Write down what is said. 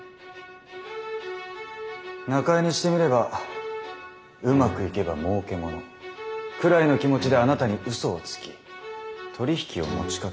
中江にしてみれば「うまくいけばもうけもの」くらいの気持ちであなたにうそをつき取り引きを持ちかけた。